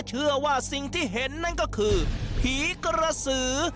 เชื่อว่าสิ่งที่เห็นนั่นก็คือผีกระสือ